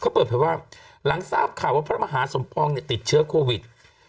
เขาเปิดเผยว่าหลังทราบข่าวว่าพระมหาสมปองติดเชื้อโควิด